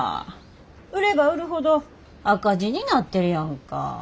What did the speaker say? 売れば売るほど赤字になってるやんか。